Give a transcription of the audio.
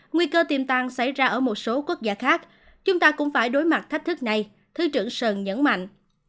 nguy cơ tiềm tàng xảy ra ở một số quốc gia khác chúng ta cũng phải đối mặt thách thức này thứ trưởng sơn nhấn mạnh